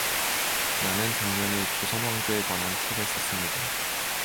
나는 작년에 조선 왕조에 관한 책을 썼습니다.